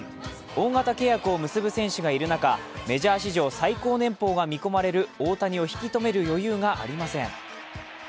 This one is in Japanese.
大型契約を結ぶ選手がいる中メジャー史上最高年棒が見込まれる大谷を引きとめる余裕がありません。